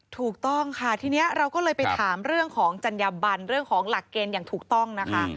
ถูกต้องค่ะทีนี้เราก็เลยไปถามเรื่องของจัญญบันเรื่องของหลักเกณฑ์อย่างถูกต้องนะคะ